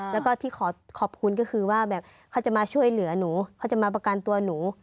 แล้วก็ที่ขอขอบคุณก็คือว่าแบบเขาจะมาช่วยเหลือหนูเขาจะมาประกันตัวหนู